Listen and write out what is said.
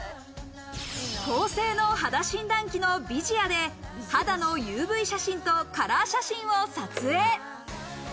高性能肌診断機のＶＩＳＩＡで肌のＵＶ写真とカラー写真を撮影。